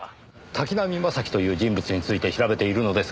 滝浪正輝という人物について調べているのですが。